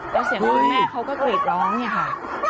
แล้วเสียงคุณแม่เขาก็กรีดร้องเนี่ยค่ะ